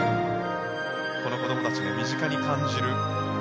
この子どもたちが身近に感じる。